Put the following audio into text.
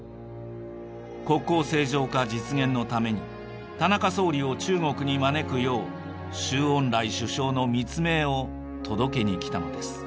国交正常化実現のために田中総理を中国に招くよう周恩来首相の密命を届けにきたのです。